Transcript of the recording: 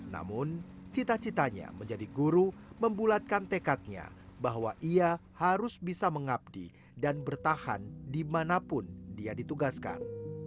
namun cita citanya menjadi guru membulatkan tekadnya bahwa ia harus bisa mengabdi dan bertahan dimanapun dia ditugaskan